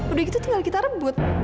udah gitu tinggal kita rebut